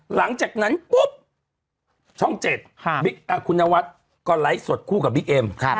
หลังจากนั้นปุ๊บช่อง๗คุณนวัดก็ไลฟ์สดคู่กับบิ๊กเอ็ม